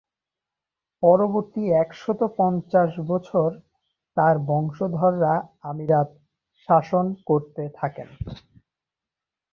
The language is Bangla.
পরবর্তী একশত পঞ্চাশ বছর তার বংশধররা আমিরাত শাসন করতে থাকেন।